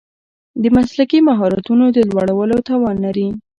د مسلکي مهارتونو د لوړولو توان لري.